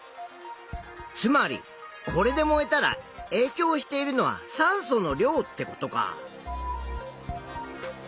つまりこれで燃えたらえいきょうしているのは酸素の量ってことか。